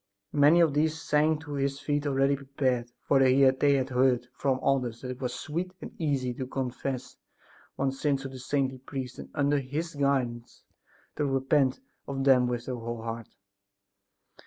Many of these sank at his feet already prepared, for they had heard from others that it was sweet and easy to confess one's sins to the saintly priest and under his guidance, to repent of them with their whole heart.